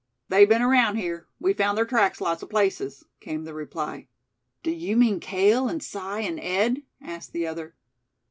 "They've been around here; we found ther tracks lots o' places," came the reply. "Do you mean Cale and Si and Ed?" asked the other.